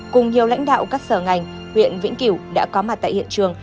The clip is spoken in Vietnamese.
cùng nhiều lãnh đạo các sở ngành huyện vĩnh kiểu đã có mặt tại hiện trường